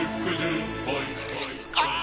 ああ！